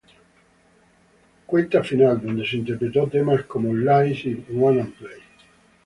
Countdown", donde se interpretó temas como "Lies" y "Wanna Play?".